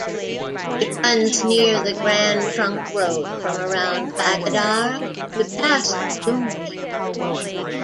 It runs near the Grand Trunk Road from around Bagodar to past Dumri.